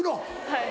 はい。